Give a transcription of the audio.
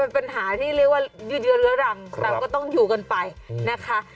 เป็นปัญหาที่เรียกว่ายืดเยื้อเรื้อรังเราก็ต้องอยู่กันไปนะคะ